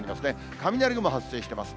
雷雲発生してます。